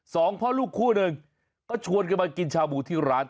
สองพ่อลูกคู่หนึ่งก็ชวนกันมากินชาบูที่ร้าน